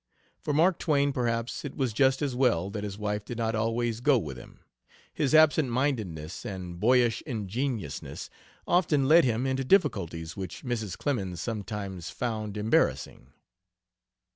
For Mark Twain, perhaps, it was just as well that his wife did not always go with him; his absent mindedness and boyish ingenuousness often led him into difficulties which Mrs. Clemens sometimes found embarrassing.